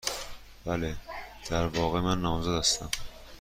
بله. در واقع، من نامزد هستم.